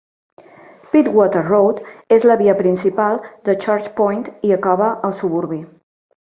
Pittwater Road és la via principal de Church Point i acaba al suburbi.